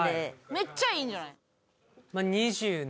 めっちゃいいんじゃない？